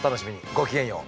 ごきげんよう。